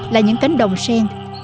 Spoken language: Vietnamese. là những cánh đồng sen